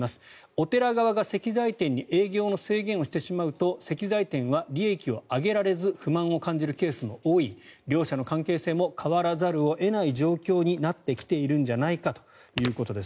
お寺側が石材店に営業の制限をしてしまうと石材店は利益を上げられず不満を感じるケースも多い両者の関係性も変わらざるを得ない状況になってきているんじゃないかということです。